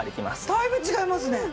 だいぶ違いますね。